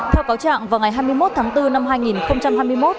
theo cáo trạng vào ngày hai mươi một tháng bốn năm hai nghìn hai mươi một